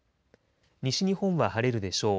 西日本は晴れるでしょう。